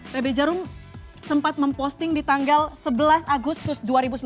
pb jarum sempat memposting di tanggal sebelas agustus dua ribu sembilan belas